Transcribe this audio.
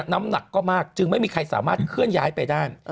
น้ำหนักก็มากจึงไม่มีใครสามารถเคลื่อนย้ายไปได้